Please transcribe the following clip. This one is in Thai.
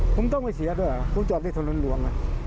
ผมต้องไปเสียด้วยผมจอดในถนนหลวง